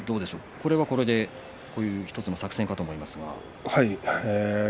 これはこれで１つの作戦かと思いますが。